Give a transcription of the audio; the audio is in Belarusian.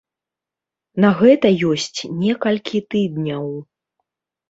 На гэта ёсць некалькі тыдняў.